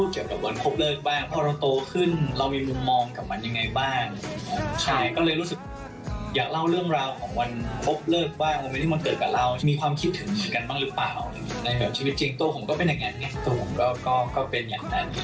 จริงตัวผมก็เป็นอย่างนั้นแต่ผมก็เป็นอย่างนั้น